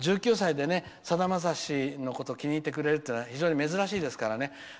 １９歳で、さだまさしのことを気に入ってくれるのは非常に珍しいですからね。